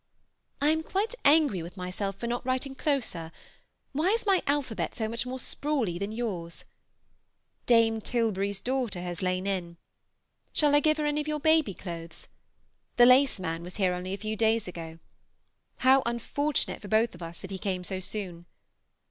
I am quite angry with myself for not writing closer; why is my alphabet so much more sprawly than yours? Dame Tilbury's daughter has lain in. Shall I give her any of your baby clothes? The laceman was here only a few days ago. How unfortunate for both of us that he came so soon!